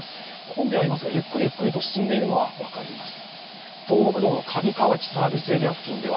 混んではいますが、ゆっくりゆっくりと進んでいるのは分かります。